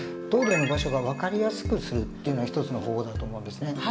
トイレの場所が分かりやすくするっていうのは一つの方法だと思うんですね。